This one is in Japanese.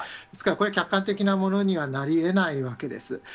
ですからこれ、客観的なものにはなりえないわけです。